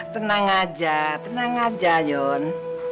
tenang aja tenang aja yon